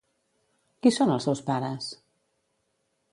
Qui són els seus pares?